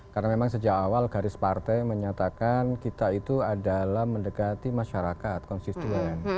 karena memang sejak awal garis partai menyatakan kita itu adalah mendekati masyarakat konsistuan